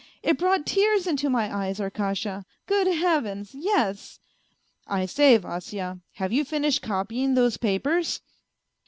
It brought tears into my eyes, Arkasha. Good Heavens, yes !"" I say, Vasya, have you finished copying those papers